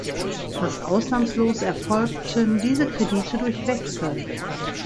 Fast ausnahmslos erfolgten diese Kredite durch Wechsel.